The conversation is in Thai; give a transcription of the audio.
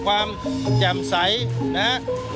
เพราะว่าชาติริมน้ำครูไม่สังเกต